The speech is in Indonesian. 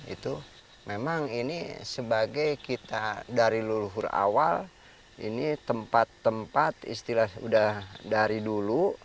itu memang ini sebagai kita dari luluhur awal ini tempat tempat istilah sudah dari dulu